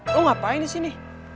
lo ngapain di sini